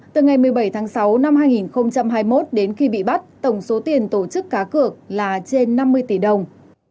từ ngày một mươi bảy tháng sáu năm hai nghìn hai mươi một đến khi bị bắt tổng số tiền tổ chức cá cược là trên năm mươi tỷ đồng